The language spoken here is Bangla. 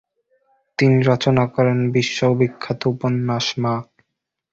তিনি রচনা করেন তার বিশ্ববিখ্যাত উপন্যাস 'মা'।